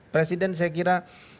presiden saya kira